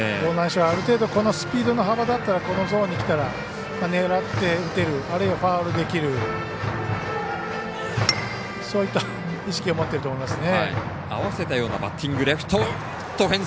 ある程度スピードの幅だったらこのゾーンにきたら狙って打てるあるいはファウルできるそういった意識を持っていると思いますね。